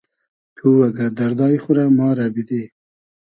تو اگۂ دئردای خو رۂ ما رۂ بیدی